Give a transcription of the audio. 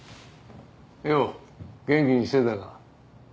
よう元気にしてたか？